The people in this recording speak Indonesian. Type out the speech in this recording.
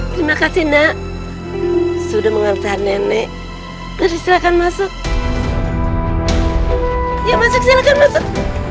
terima kasih nak sudah mengerti nenek dari silakan masuk ya masih silakan masuk